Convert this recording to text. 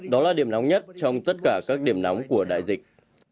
đó là điểm nóng nhất trong tất cả các điểm nóng của đại dịch